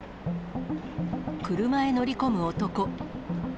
車へ乗り込む男。